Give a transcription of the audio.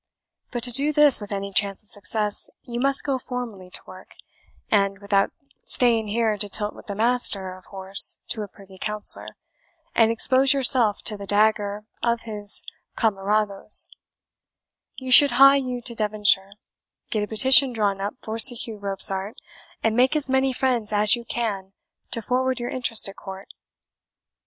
But to do this with any chance of success, you must go formally to work; and, without staying here to tilt with the master of horse to a privy councillor, and expose yourself to the dagger of his cameradoes, you should hie you to Devonshire, get a petition drawn up for Sir Hugh Robsart, and make as many friends as you can to forward your interest at court."